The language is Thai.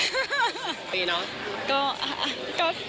ดีเนอะ